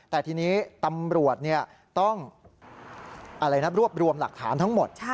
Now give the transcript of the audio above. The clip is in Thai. แต่ทีนี้ตำรวจต้องรวบรวมหลักฐานทั้งหมด